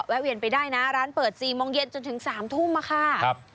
แวนไปได้นะร้านเปิด๔โมงเย็นจนถึง๓ทุ่มค่ะ